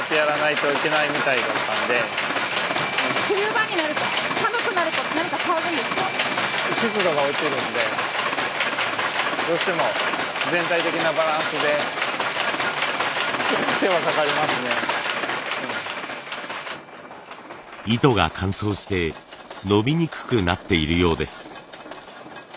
冬場になると糸が乾燥して伸びにくくなっているようです。